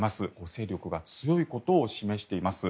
勢力が強いことを示しています。